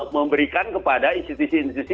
memberikan kepada institusi institusi